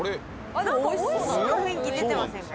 おいしそうな雰囲気出てませんか？